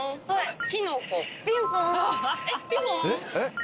はい！